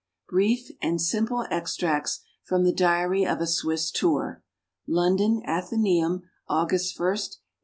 . brief and simple extracts from the diary of a Swiss tour" (London Athenamin, Aug.